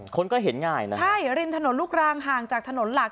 คนก็เห็นง่ายนะใช่ริมถนนลูกรังห่างจากถนนหลัก